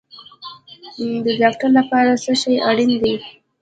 د ډاکټر لپاره څه شی اړین دی؟